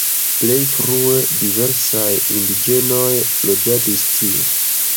La plej frue diversaj indiĝenoj loĝadis tie.